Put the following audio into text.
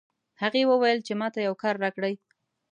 هغې وویل چې ما ته یو کار راکړئ